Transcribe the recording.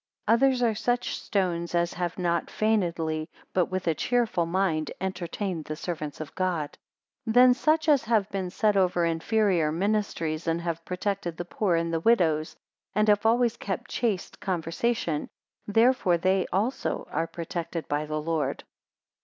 230 Others, are such stones as have not feignedly, but with a cheerful mind entertained the servants of God. 231 Then, such as have been set over inferior ministries, and have protected the poor and the widows; and have always kept a chaste conversation: therefore they also are protected by the Lord.